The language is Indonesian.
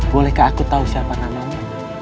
bolehkah aku tahu siapa nanom